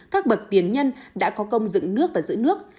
các bậc tiền nhân đã có công dựng nước và giữ nước